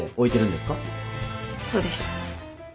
そうです。